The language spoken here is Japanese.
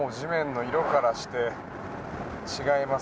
もう地面の色からして違います。